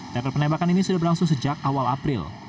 tetel penembakan ini sudah berlangsung sejak awal april